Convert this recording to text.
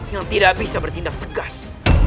yang tidak bisa bertindak tegas